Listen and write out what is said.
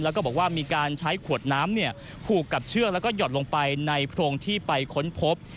แล้วก็บอกว่ามีการใช้ขวดน้ำผูกกับเชือกแล้วก็หยอดลงไปในโพรงที่ไปค้นพบ